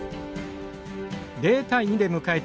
０対２で迎えた